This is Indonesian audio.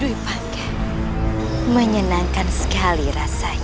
apapun keputusan raden